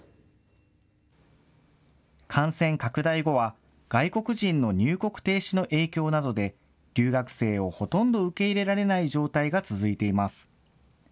感染拡大後は、外国人の入国停止の影響などで、留学生をほとんど受け入れられない状態が続いています。